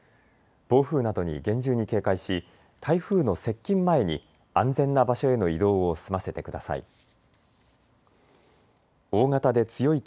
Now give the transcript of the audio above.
暴風などに厳重に警戒し台風の接近前に安全な場所への移動を済ませてください。